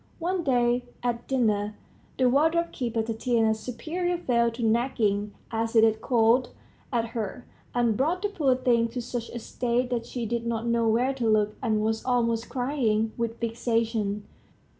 One day, at dinner, the wardrobe keeper, Tatiana's superior, fell to nagging, as it is called, at her, and brought the poor thing to such a state that she did not know where to look, and was almost crying with vexation.